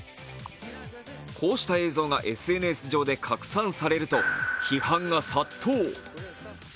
こうした映像がＳＮＳ上で拡散されると批判が殺到。